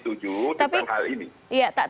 tentang hal ini